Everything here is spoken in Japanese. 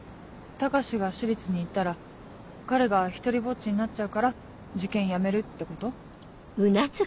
高志が私立に行ったら彼が独りぼっちになっちゃうから受験やめるってこと？